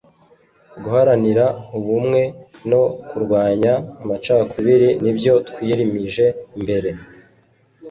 Guharanira ubumwe no kurwanya amacakubiri nibyo twimirije imbere